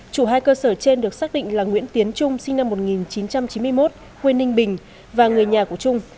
chủ hai cơ sở trên được xác định là nguyễn tiến trung sinh năm một nghìn chín trăm chín mươi một quê ninh bình và người nhà của trung